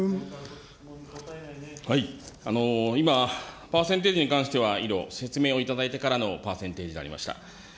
今、パーセンテージに関しては説明をいただいてからの、パーセンテージでありました。